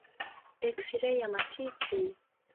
Eksirei ya matiti.